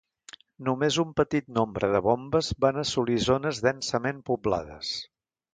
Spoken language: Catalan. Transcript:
Només un petit nombre de bombes van assolir zones densament poblades.